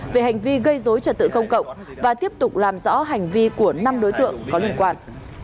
về hành vi gây dối trật tự công cộng và tiếp tục làm rõ hành vi của năm đối tượng có liên quan